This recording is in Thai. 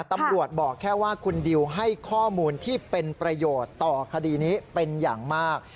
บอกแค่ว่าคุณดิวให้ข้อมูลที่เป็นประโยชน์ต่อคดีนี้เป็นอย่างมาก